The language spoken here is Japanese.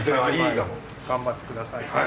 頑張ってください。